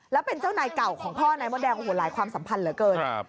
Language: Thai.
แล้วเป็นเจ้านายเก่าของพ่อนายมดแดงโอ้โหหลายความสัมพันธ์เหลือเกิน